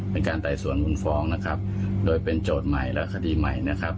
ไต่สวนมูลฟ้องนะครับโดยเป็นโจทย์ใหม่และคดีใหม่นะครับ